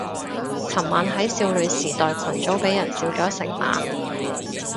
尋晚喺少女時代群組俾人笑咗成晚